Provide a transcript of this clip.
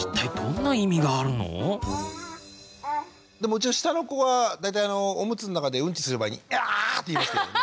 うちの下の子は大体おむつの中でうんちする前に「アァッ！」っていいますけれどもね。